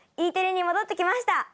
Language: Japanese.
Ｅテレに戻ってきました。